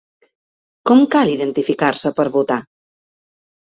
Com cal identificar-se per votar?